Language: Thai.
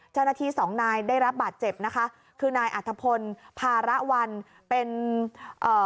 เจ้าหน้าที่สองนายได้รับบาดเจ็บนะคะคือนายอัธพลภาระวันเป็นเอ่อ